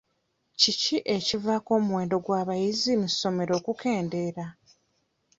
Kiki ekivaako omuwendo gw'abayizi mu ssomero okukendeera?